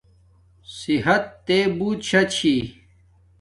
صحت تے بوت شا چھی